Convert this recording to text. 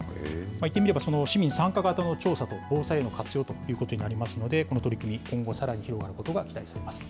いってみれば、市民参加型の調査と防災への活用ということになりますので、この取り組み、今後さらに広がることが期待されます。